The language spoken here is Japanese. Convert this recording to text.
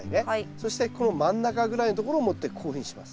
そしてこの真ん中ぐらいのところを持ってこういうふうにします。